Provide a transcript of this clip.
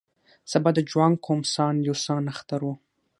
سبا د جوانګ قوم سان یو سان اختر و.